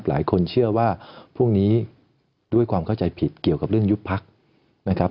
หลายคนเชื่อว่าพรุ่งนี้ด้วยความเข้าใจผิดเกี่ยวกับเรื่องยุบพักนะครับ